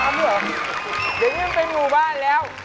เดี๋ยวมีหนึ่งเป็นหมู่บ้านแล้ว